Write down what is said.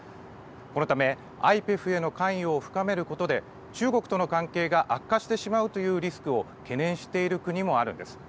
このためＩＰＥＦへの関与を深めることで中国との関係が悪化してしまうというリスクを懸念している国もあるんです。